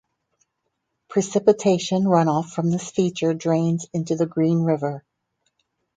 Precipitation runoff from this feature drains into the Green River.